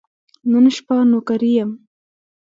نن شپه نوکري یم .